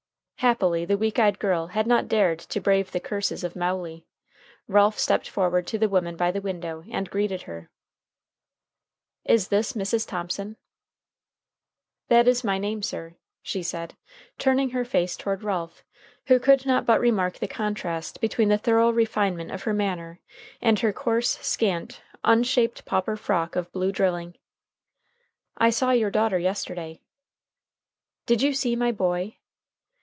Happily the weak eyed girl had not dared to brave the curses of Mowley. Ralph stepped forward to the woman by the window, and greeted her. "Is this Mrs. Thomson?" "That is my name, sir," she said, turning her face toward Ralph, who could not but remark the contrast between the thorough refinement of her manner and her coarse, scant, unshaped pauper frock of blue drilling. "I saw your daughter yesterday." "Did you see my boy?"